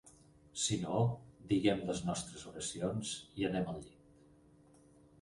Si no, diguem les nostres oracions i anem al llit.